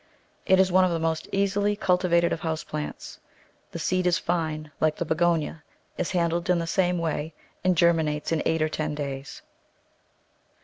It is one of the most easily cultivated of house plants. The seed is fine like the Begonia, is handled in the same way, and germinates in eight or ten days.